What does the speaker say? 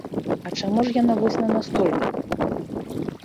А чаму ж яна вось на настольніку?